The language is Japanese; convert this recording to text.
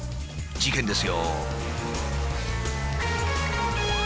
事件です。